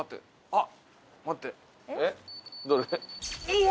あっ！